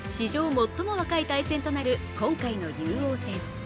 最も若い対戦となる今回の竜王戦。